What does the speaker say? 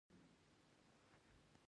کرکټ د آسيايي هېوادو له پاره ډېر مهم دئ.